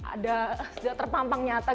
ada sudah terpampang nyata